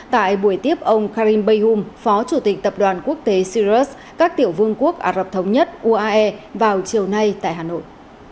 tại buổi tiếp ông karim bayhum phó chủ tịch tập đoàn quốc tế sirus các tiểu vương quốc ả rập thống nhất uae vào chiều nay tại hà nội